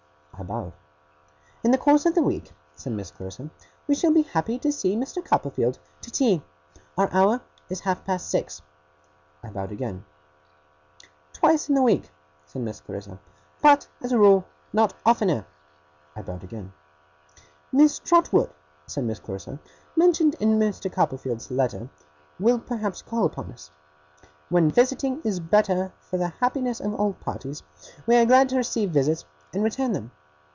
I bowed. 'In the course of the week,' said Miss Clarissa, 'we shall be happy to see Mr. Copperfield to tea. Our hour is half past six.' I bowed again. 'Twice in the week,' said Miss Clarissa, 'but, as a rule, not oftener.' I bowed again. 'Miss Trotwood,' said Miss Clarissa, 'mentioned in Mr. Copperfield's letter, will perhaps call upon us. When visiting is better for the happiness of all parties, we are glad to receive visits, and return them.